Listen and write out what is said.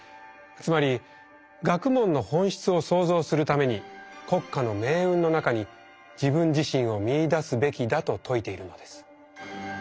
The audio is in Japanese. つまり学問の本質を創造するために国家の命運の中に自分自身を見いだすべきだと説いているのです。